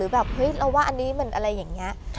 ว่าอันนี้เหมือนอะไรอย่างนี้